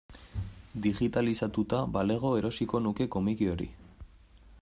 Digitalizatuta balego erosiko nuke komiki hori.